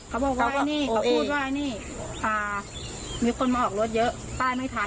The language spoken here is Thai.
เขาบอกว่านี่เขาพูดว่านี่มีคนมาออกรถเยอะป้ายไม่ทัน